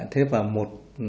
thế vào một